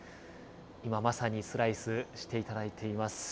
今、まさにスライスしていただいています。